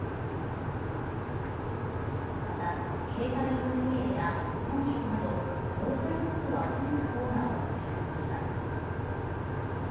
また、携帯用トイレや保存食など防災グッズを集めたコーナーも設けられました。